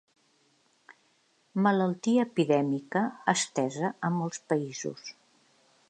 Malaltia epidèmica estesa a molts països.